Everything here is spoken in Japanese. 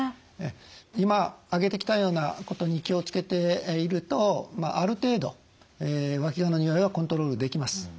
今挙げてきたようなことに気を付けているとある程度わきがのにおいはコントロールできます。